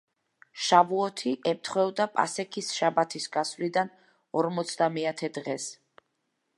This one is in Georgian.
შავუოთი ემთხვეოდა პასექის შაბათის გასვლიდან ორმოცდამეათე დღეს.